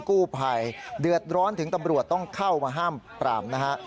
กู้ภัยเดือดร้อนถึงตำรวจต้องเข้ามาห้ามปรามนะฮะ